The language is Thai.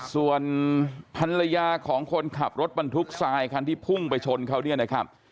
ส่วนภรรยาของคนขับรถบรรทุกทรายคันที่พุ่งไปชนเขาเนี่ยนะครับ